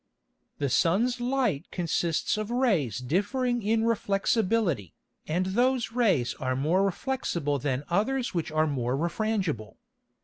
_The Sun's Light consists of Rays differing in Reflexibility, and those Rays are more reflexible than others which are more refrangible.